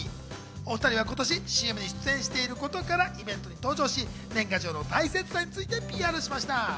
お２人は今年、ＣＭに出演していることからイベントに登場し、年賀状の大切さについてＰＲしました。